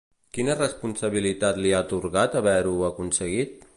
Quina responsabilitat li ha atorgat haver-ho aconseguit?